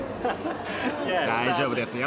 大丈夫ですよ。